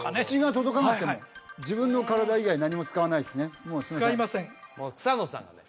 自分の体以外何も使わないですね？